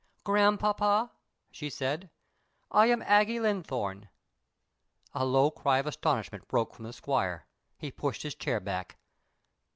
"Grandpapa," she said, "I am Aggie Linthorne." A low cry of astonishment broke from the squire. He pushed his chair back.